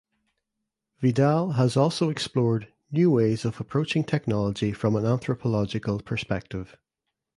Vidal has also explored "new ways of approaching technology from an anthropological perspective".